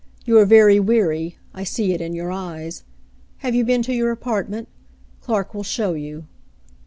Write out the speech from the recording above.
You are very weary; I see it in your eyes. Have you been to your apartment ? Clark will show you."